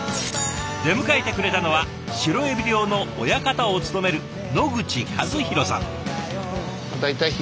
出迎えてくれたのはシロエビ漁の親方を務める野口和宏さん。